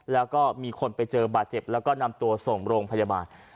แล้วก็มีคนไปเจอบาดเจ็บแล้วก็นำตัวส่งโรงพยาบาล